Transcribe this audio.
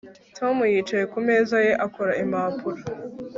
Tom yicaye ku meza ye akora impapuro